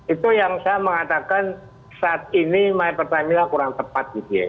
itu yang saya mengatakan saat ini my pertamina kurang tepat gitu ya